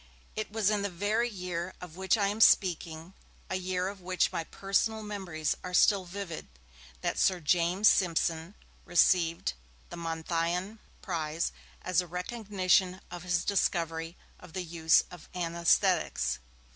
It was in the very year of which I am speaking, a year of which my personal memories are still vivid, that Sir James Simpson received the Monthyon prize as a recognition of his discovery of the use of anaesthetics.